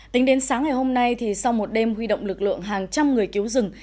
tính đến sáng ngày hôm nay sau một đêm huy động lực lượng hàng trăm người cứu rừng